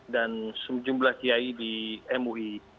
dan sejumlah yai di mui